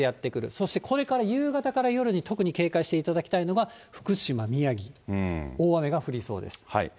そして、これから夕方から夜に特に警戒していただきたいのが、福島、宮城、大雨が降りそうです。